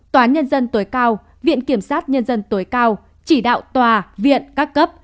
tòa án nhân dân tối cao viện kiểm sát nhân dân tối cao chỉ đạo tòa viện các cấp